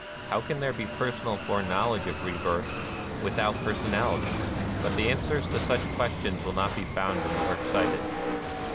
How can there be personal foreknowledge of rebirth without personal ity?" But the answers to such questions will not be found in the work cited.